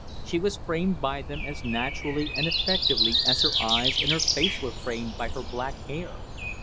She was framed by them as naturally and effectively as her eyes and her face were framed by her black hair.